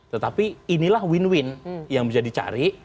tetapi inilah win win yang bisa dicari